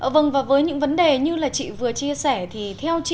vâng và với những vấn đề như là chị vừa chia sẻ thì theo chị